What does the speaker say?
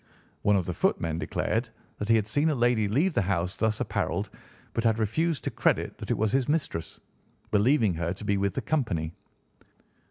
One of the footmen declared that he had seen a lady leave the house thus apparelled, but had refused to credit that it was his mistress, believing her to be with the company.